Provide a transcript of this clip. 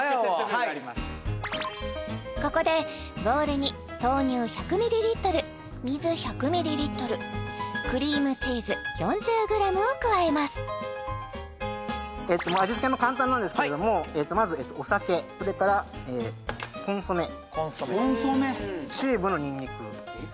ここでボウルに豆乳１００ｍｌ水１００ｍｌクリームチーズ４０ｇを加えます味付けも簡単なんですけれどもまずお酒それからコンソメチューブのにんにく・えっ？